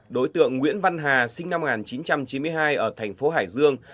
đối tượng nguyễn văn hà sinh năm một nghìn chín trăm chín mươi hai ở thành phố hải dương